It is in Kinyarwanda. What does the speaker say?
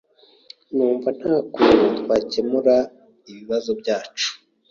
Numvaga nta kuntu twakemura ibibazo byacu.